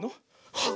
はっ！